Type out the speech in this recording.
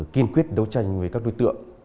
kinh quyết đấu tranh với các đối tượng